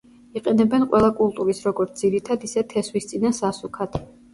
იყენებენ ყველა კულტურის როგორც ძირითად, ისე თესვისწინა სასუქად.